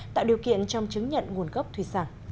tạo điều kiện trong chứng nhận nguồn gốc thủy sản